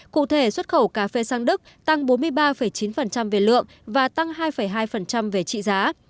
cụ thể xuất khẩu cà phê sang đức tăng bốn mươi ba chín về lượng và tăng hai hai về trị giá